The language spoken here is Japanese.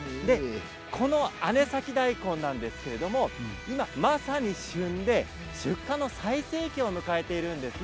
この姉崎だいこんなんですが今まさに旬で出荷の最盛期を迎えているんですね。